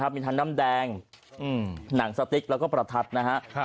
มีทันน้ำแดงอืมหนังสติ๊กแล้วก็ประทัดนะฮะครับ